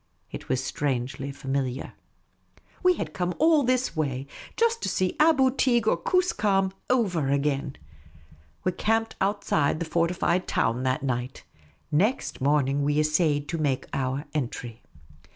It was strangely familiar. We had come all this way just to see Aboo Teeg or Koos kam over again ! We camped outside the fortified town that night. Next monn'ng we essayed to make our entry.